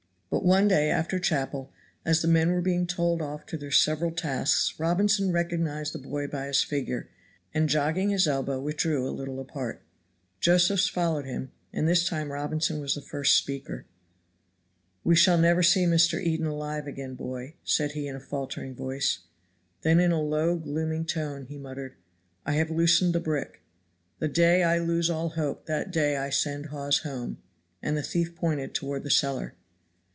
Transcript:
But one day after chapel as the men were being told off to their several tasks Robinson recognized the boy by his figure, and jogging his elbow withdrew a little apart; Josephs followed him, and this time Robinson was the first speaker. "We shall never see Mr. Eden alive again, boy," said he in a faltering voice. Then in a low gloomy tone he muttered, "I have loosened the brick. The day I lose all hope that day I send Hawes home." And the thief pointed toward the cellar.